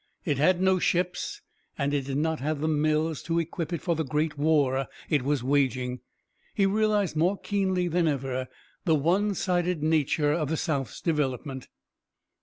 It had no ships, and it did not have the mills to equip it for the great war it was waging. He realized more keenly than ever the one sided nature of the South's development.